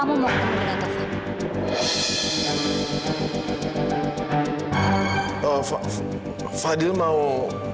tunggu fadil mau